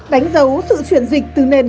đánh dấu sự chuyển dịch từ nền